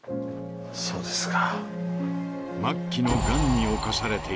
そうですか。